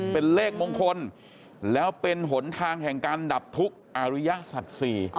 เป็นเลขมงคลแล้วเป็นหนทางแห่งการดับทุกข์อาริยสัตว์ศรี